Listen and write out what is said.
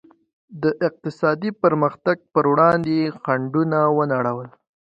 د اقتصادي پرمختګ پر وړاندې یې خنډونه ونړول.